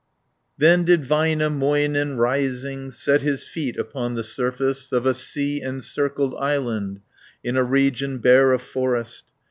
Then did Väinämöinen, rising, Set his feet upon the surface Of a sea encircled island, In a region bare of forest.